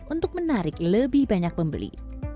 untuk menarik lebih banyak pembeli